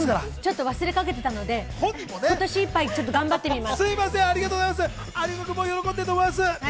ちょっと忘れかけてたので、今年いっぱい頑張ってみます。